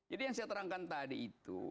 jadi yang saya terangkan tadi itu